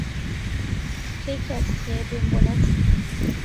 کەی کاتت هەیە بێم بۆلات؟